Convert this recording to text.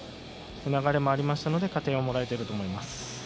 流れもありましたので加点をもらえていたと思います。